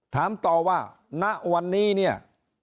ถามต่อว่าณวันนี้เนี่ย